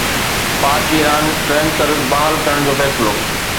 پاڪ Iran train service بحال ڪرڻ جو فيصلو